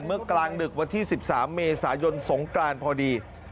เมื่อกลางดึกวันที่๑๓เมษายนสงกรานพอดี